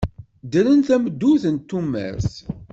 Dderen tameddurt n tumert.